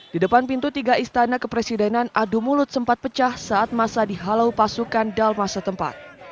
di depan pintu tiga istanak presidenan adu mulut sempat pecah saat masa dihalau pasukan dalmasa tempat